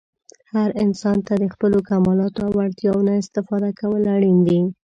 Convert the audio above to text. هر انسان ته د خپلو کمالاتو او وړتیاوو نه استفاده کول اړین دي.